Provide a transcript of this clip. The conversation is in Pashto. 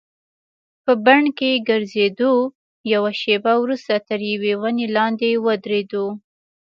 په بڼ کې ګرځېدو، یوه شیبه وروسته تر یوې ونې لاندې ودریدو.